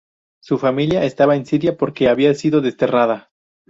Su familia estaba en Siria porque había sido desterrada.